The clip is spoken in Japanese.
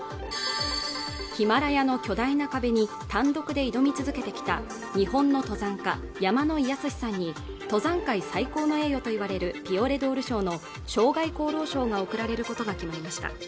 ヒマラヤの巨大な壁に単独で挑み続けてきた日本の登山家山野井泰史さんに登山界最高の栄誉といわれるピオレドール賞の生涯功労賞が贈られることが決まりました